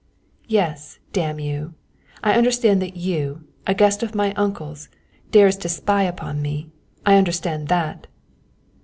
"Yes, damn you, I understand that you, a guest of my uncle's, dares to spy upon me. I understand that."